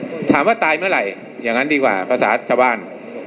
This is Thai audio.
ต้องมาอธิบายว่าถามว่าตายเมื่อไหร่อย่างนั้นดีกว่าภาษาชาวรรณ